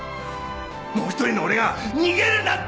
もう一人の俺が逃げるなって